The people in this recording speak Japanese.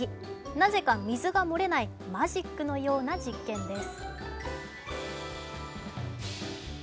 なぜか水が漏れないマジックのような実験です。